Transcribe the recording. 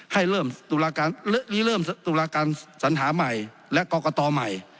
ให้เริ่มตุลาการสัญหาใหม่และกรกตใหม่